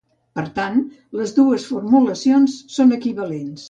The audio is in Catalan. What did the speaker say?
Per tant, les dues formulacions són equivalents.